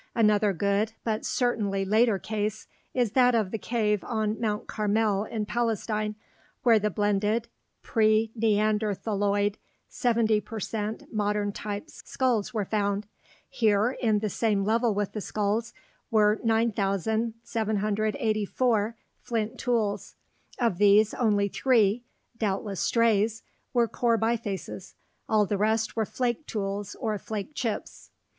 Another good, but certainly later case is that of the cave on Mount Carmel in Palestine, where the blended pre neanderthaloid, 70 per cent modern type skulls were found. Here, in the same level with the skulls, were 9,784 flint tools. Of these, only three doubtless strays were core bifaces; all the rest were flake tools or flake chips.